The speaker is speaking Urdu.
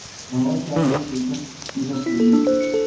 لاہور سے اگے کا دلچسپ ٹیزر ریلیز